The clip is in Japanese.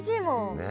ねえ。